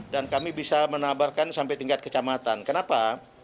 dan kami bisa menabarkan sampai tingkat kecamatan kenapa